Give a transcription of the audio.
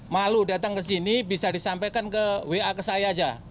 malu datang ke sini bisa disampaikan ke wa ke saya aja